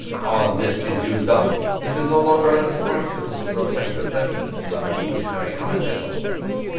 All this is used up; it is no longer instructive as an object lesson in revolutionary anarchism.